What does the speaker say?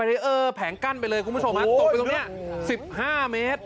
ฝ่ายแผงกั้นไปเลยคุณผู้ชมครับตกไปตรงเนี่ยสิบห้าเมตร